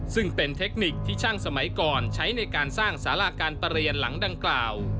ซึ่งเป็นเทคนิคที่ช่างสมัยก่อนใช้ในการสร้างสาราการประเรียนหลังดังกล่าว